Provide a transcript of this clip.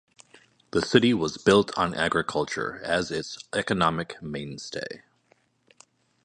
The city was built on agriculture as its economic mainstay.